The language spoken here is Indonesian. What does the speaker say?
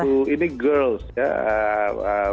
itu salah satu ini girls ya